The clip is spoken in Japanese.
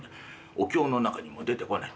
お経の中にも出てこない。